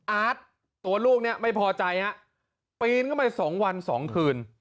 อาร์ตตัวลูกเนี่ยไม่พอใจฮะปีนเข้าไปสองวันสองคืน